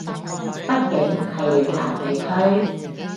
畢竟係嶺南地區